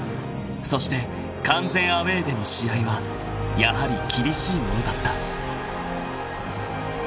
［そして完全アウェーでの試合はやはり厳しいものだった］